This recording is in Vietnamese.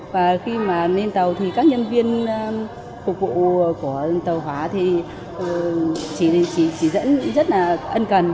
và khi mà lên tàu thì các nhân viên phục vụ của tàu hóa thì chỉ dẫn rất là ân cần